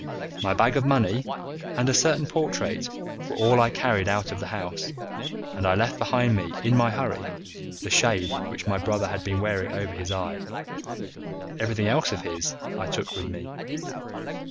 My bag of money and a certain portrait were all I carried out of the house, and I left behind me in my hurry the shade which my brother had been wearing over his eye. Everything else of his I took with me.